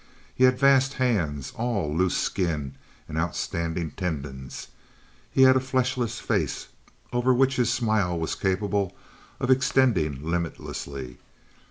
He had vast hands, all loose skin and outstanding tendons; he had a fleshless face over which his smile was capable of extending limitlessly.